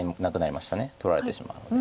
取られてしまうので。